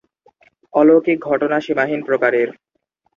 অলৌকিক ঘটনা সীমাহীন প্রকারের।